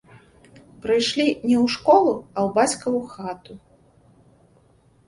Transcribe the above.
Прыйшлі не ў школу, а ў бацькаву хату.